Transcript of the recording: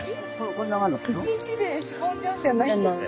１日でしぼんじゃうんじゃないんですか？